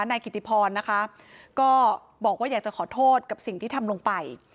นายกิติพรนะคะก็บอกว่าอยากจะขอโทษกับสิ่งที่ทำลงไป